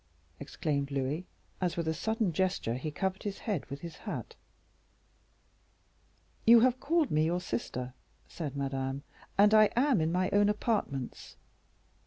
exclaimed Louis, as, with a sudden gesture, he covered his head with his hat. "You have called me your sister," said Madame, "and I am in my own apartments."